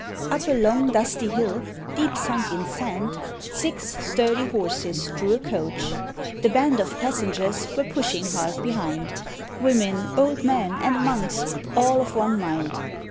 Up a long dusty hill, deep sunk in sand, Six sturdy horses drew a Coach. The band Of passengers were pushing hard behind: Women, old men, and monks, all of one mind.